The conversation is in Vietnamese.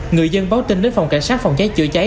người dân báo tin đến phòng cảnh sát phòng cháy chữa cháy